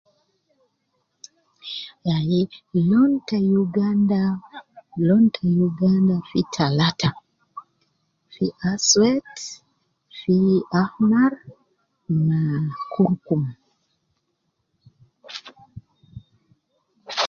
Yani, loun ta uganda, loun ta uganda fi talata, fi aswed, fi ahmar ma kurukum